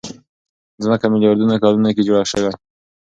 ځمکه ميلياردونو کلونو کې جوړه شوې.